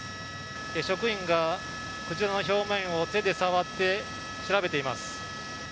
職員がクジラの表面を手で触って調べています。